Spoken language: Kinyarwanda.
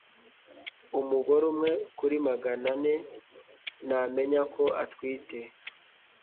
Umugore umwe kuri magana ane ntamenya ko atwite